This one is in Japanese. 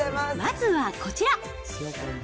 まずはこちら。